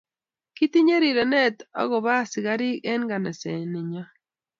Kitinye rirenet ak ko bo asikari en ngansat nenyon